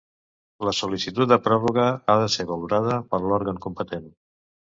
La sol·licitud de pròrroga ha de ser valorada per l'òrgan competent.